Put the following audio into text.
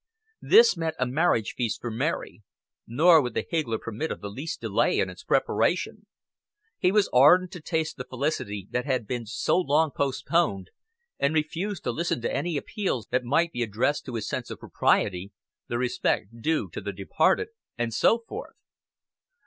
This meant a marriage feast for Mary; nor would the higgler permit of the least delay in its preparation. He was ardent to taste the felicity that had been so long postponed, and refused to listen to any appeals that might be addressed to his sense of propriety, the respect due to the departed, and so forth.